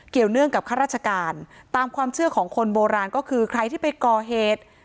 เนื่องกับข้าราชการตามความเชื่อของคนโบราณก็คือใครที่ไปก่อเหตุ